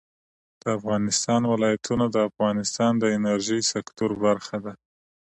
د افغانستان ولايتونه د افغانستان د انرژۍ سکتور برخه ده.